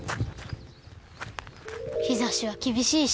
日ざしは厳しいし。